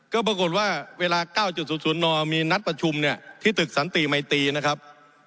ก็ปรากฏว่าเวลา๙๐๐นมีนัดประชุมเนี่ยที่ตึกสันติมัยตีนะครับ